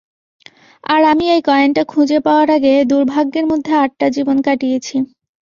আর আমি এই কয়েনটা খুঁজে পাওয়ার আগে দুর্ভাগ্যের মধ্যে আটটা জীবন কাটিয়েছি।